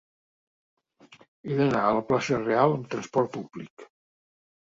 He d'anar a la plaça Reial amb trasport públic.